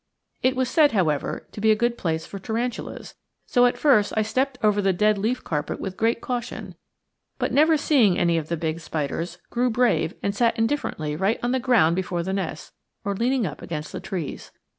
It was said, however, to be a good place for tarantulas, so at first I stepped over the dead leaf carpet with great caution; but never seeing any of the big spiders, grew brave and sat indifferently right on the ground before the nests, or leaning up against the trees.